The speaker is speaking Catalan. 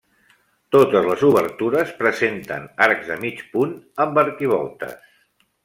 Totes les obertures presenten arcs de mig punt, amb arquivoltes.